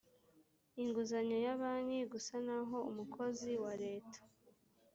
inguzanyo ya banki gusa naho umukozi wa leta